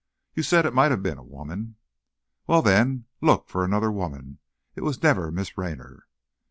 "You said it might have been a woman." "Very well, then look for another woman! It was never Miss Raynor!"